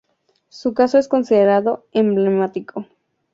Su caso es considerado emblemático.